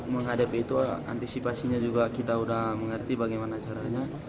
menghadapi itu antisipasinya juga kita sudah mengerti bagaimana caranya